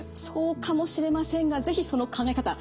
そうかもしれませんが是非その考え方